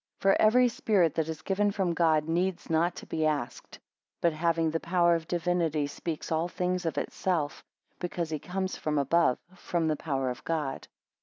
For every spirit that is given from God needs not to be asked: but having the power of divinity speaks all things of itself, because he comes from above; from the power of God.